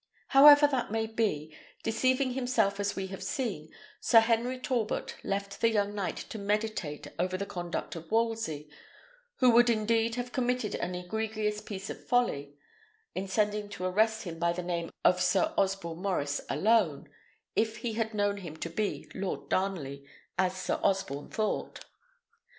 However that may be, deceiving himself as we have seen, Sir Henry Talbot left the young knight to meditate over the conduct of Wolsey, who would indeed have committed an egregious piece of folly in sending to arrest him by the name of Sir Osborne Maurice alone, if he had known him to be Lord Darnley, as Sir Osborne thought.